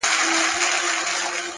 ملاکه چي په زړه کي په وا وا ده”